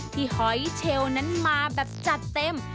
ที่ฮอยเชลล์นั้นมาแบบจัดเต็ม